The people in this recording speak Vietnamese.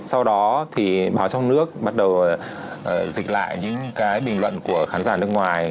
sau đó thì báo trong nước bắt đầu dịch lại những cái bình luận của khán giả nước ngoài